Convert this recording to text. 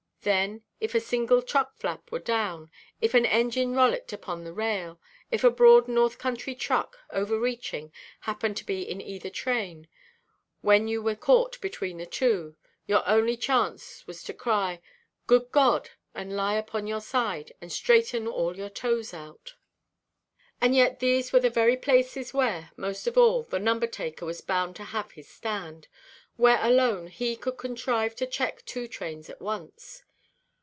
Then, if a single truck–flap were down, if an engine rollicked upon the rail, if a broad north–country truck, overreaching, happened to be in either train, when you were caught between the two, your only chance was to cry, "Good God!" and lie upon your side, and straighten all your toes out. And yet these were the very places where, most of all, the "number–taker" was bound to have his stand—where alone he could contrive to check two trains at once.